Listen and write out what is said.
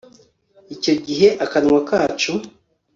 icyo gihe akanwa kacu